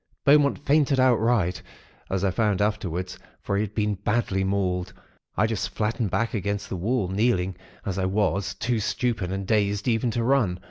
Beaumont fainted outright, as I found afterwards; for he had been badly mauled. I just flattened back against the wall, kneeling, as I was, too stupid and dazed even to run.